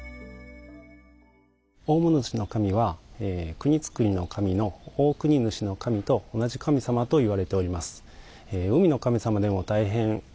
大物主神は、国造りの神の大国主神と同じ神様といわれております。